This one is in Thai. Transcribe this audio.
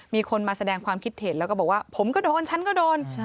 มีคนมาแสดงความคิดเห็นแล้วก็บอกว่าผมก็โดนฉันก็โดน